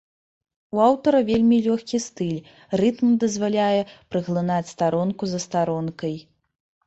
У аўтара вельмі лёгкі стыль, рытм дазваляе праглынаць старонку за старонкай.